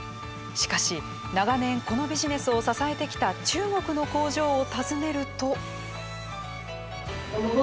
しかし、長年このビジネスを支えてきた中国の工場を訪ねると。